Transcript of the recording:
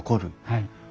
はい。